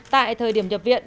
tại thời điểm nhập viện